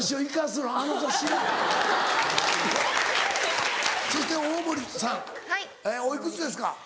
そして大盛さんおいくつですか？